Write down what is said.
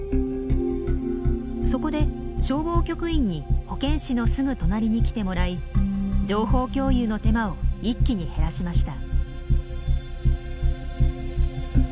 そこで消防局員に保健師のすぐ隣に来てもらい情報共有の手間を一気に減らしました。